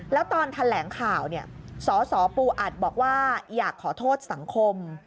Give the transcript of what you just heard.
แล้วตอนแถลงข่าวเนี่ยสสปูอัดบอกว่าอยากขอโทษสังคม